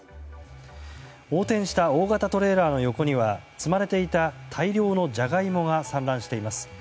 横転した大型トレーラーの横には積まれていた大量のジャガイモが散乱しています。